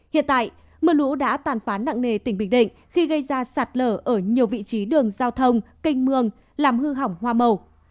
hiện tại mưa lũ đã tàn phán nặng nề tỉnh bình định khi gây ra sạt lở ở nhiều vị trí đường giao thông canh mương làm hư hỏng hoa màu